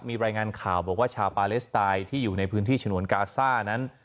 มีรายงานข่าวบอกว่าชาวปาเลสไตน์ที่อยู่ในพื้นที่ฉนวนกาซ่านั้น